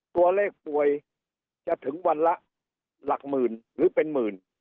ตัวเลขป่วยจะถึงวันละหลักหมื่นหรือเป็นหมื่น